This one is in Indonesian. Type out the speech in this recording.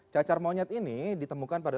cacar monyet ini ditemukan pada